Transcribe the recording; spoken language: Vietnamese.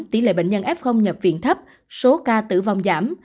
tỷ lệ bệnh nhân f nhập viện thấp số ca tử vong giảm